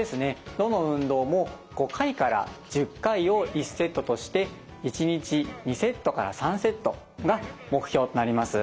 どの運動も５回から１０回を１セットとして１日２セットから３セットが目標となります。